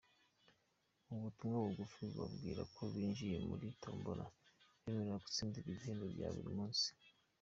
Ubu butumwa bugufi bubabwira ko binjiye muri tombora ibemerera gutsindira ibihembo bya buri munsi.